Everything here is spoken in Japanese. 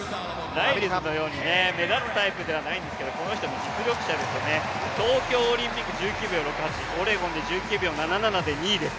ライルズのように目立つタイプじゃないですけどこの人も実力者ですね、東京オリンピック１９秒６８、オレゴンで１９秒７７で２位です。